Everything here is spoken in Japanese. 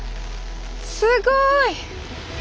すごい！